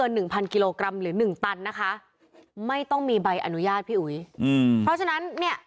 หนึ่งตันนะคะไม่ต้องมีใบอนุญาตพี่อุ๋ยอืมเพราะฉะนั้นเนี่ย